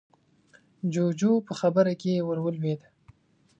جُوجُو په خبره کې ورولوېد: